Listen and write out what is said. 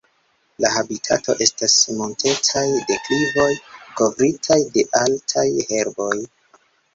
La habitato estas montetaj deklivoj kovritaj de altaj herboj.